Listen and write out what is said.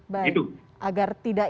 baik agar tidak